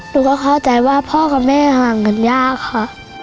ลูกก็เข้าใจว่าพ่อกับแม่ทำงานเงินยากค่ะ